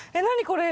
これ。